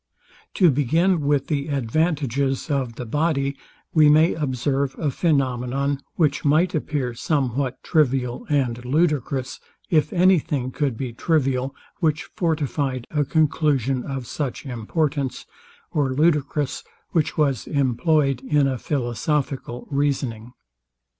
To begin with the advantages of the body; we may observe a phænomenon, which might appear somewhat trivial and ludicrous, if any thing could be trivial, which fortified a conclusion of such importance, or ludicrous, which was employed in a philosophical reasoning.